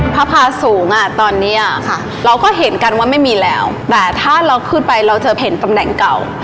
พาสูงอ่ะตอนเนี้ยค่ะเราก็เห็นกันว่าไม่มีแล้วแต่ถ้าเราขึ้นไปเราจะเห็นตำแหน่งเก่า